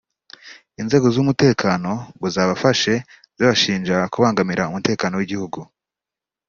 Inzego z’umutekano ngo zabafashe zibashinja kubangamira umutekano w’igihugu